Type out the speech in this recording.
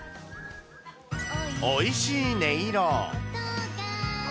おいしい音色。